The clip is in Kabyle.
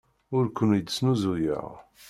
Ur ken-id-snuzuyeɣ.